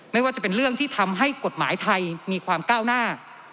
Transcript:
ไม่ว่าจะเป็นเรื่องที่ทำให้กฎหมายไทยมีความก้าวหน้า